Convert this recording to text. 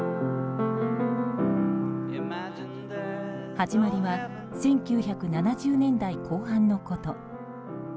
始まりは１９７０年代後半のこと。